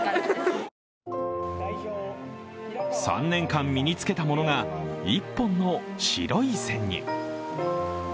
３年間身につけたものが１本の白い千に。